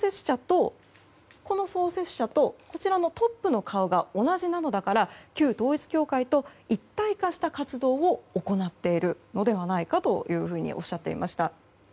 この創設者とこちらのトップの顔が同じなのだから旧統一教会と一体化した活動を行っているのではないかとおっしゃっていました。